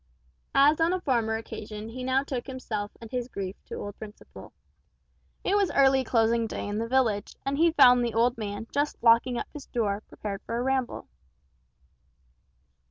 As on a former occasion he now took himself and his grief to old Principle. It was early closing day in the village, and he found the old man just locking up his door prepared for a ramble.